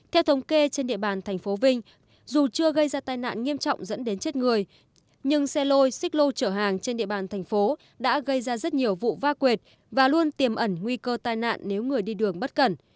theo thống kê trên địa bàn thành phố vinh dù chưa gây ra tai nạn nghiêm trọng dẫn đến chết người nhưng xe lôi xích lô chở hàng trên địa bàn thành phố đã gây ra rất nhiều vụ va quệt và luôn tiềm ẩn nguy cơ tai nạn nếu người đi đường bất cẩn